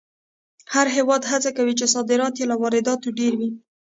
هر هېواد هڅه کوي چې صادرات یې له وارداتو ډېر وي.